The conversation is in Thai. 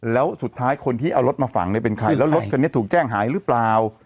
แล้วสุดท้ายคนที่เอารถมาฝังเนี่ยเป็นใครแล้วรถคันนี้ถูกแจ้งหายหรือเปล่า